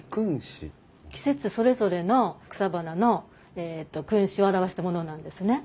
季節それぞれの草花のえっと君子を表したものなんですね。